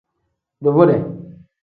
Duvude.